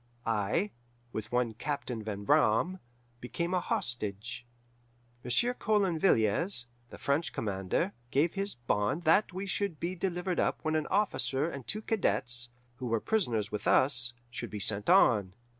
I, with one Captain Van Braam, became a hostage. Monsieur Coulon Villiers, the French commander, gave his bond that we should be delivered up when an officer and two cadets, who were prisoners with us, should be sent on.